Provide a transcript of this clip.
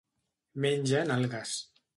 Mengen algues.